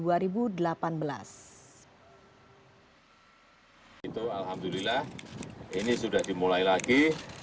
itu alhamdulillah ini sudah dimulai lagi